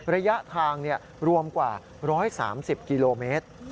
ระยะทางรวมกว่า๑๓๐กิโลเมตร